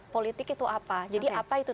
politik itu apa jadi apa itu